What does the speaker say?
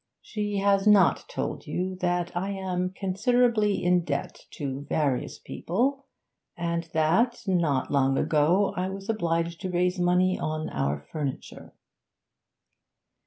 'She has not told you that I am considerably in debt to various people, and that, not long ago, I was obliged to raise money on our furniture.'